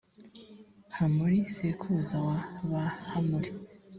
hamuli sekuruza w’abahamuli.